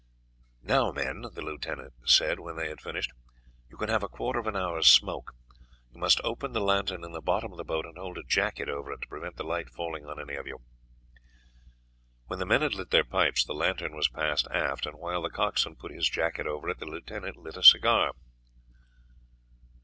"Now, men," the lieutenant said, when they had finished, "you can have a quarter of an hour's smoke. You must open the lantern in the bottom of the boat, and hold a jacket over it to prevent the light falling on any of you." When the men had lit their pipes the lantern was passed aft, and while the coxswain put his jacket over it, the lieutenant lit a cigar.